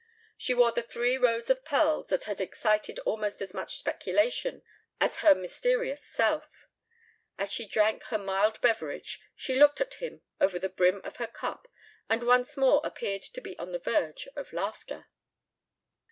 She wore the three rows of pearls that had excited almost as much speculation as her mysterious self. As she drank her mild beverage she looked at him over the brim of her cup and once more appeared to be on the verge of laughter.